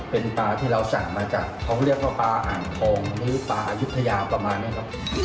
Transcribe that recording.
เป็นปลาที่เราสั่งมาจากเขาเรียกว่าปลาอ่างทองหรือปลาอายุทยาประมาณนี้ครับ